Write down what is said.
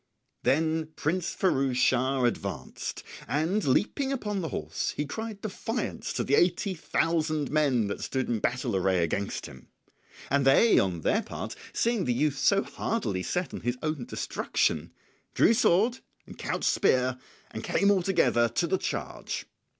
Then Prince Firouz Schah advanced, and leaping upon the horse he cried defiance to the eighty thousand men that stood in battle array against him. And they, on their part, seeing the youth so hardily set on his own destruction, drew sword and couched spear, and came all together to the charge.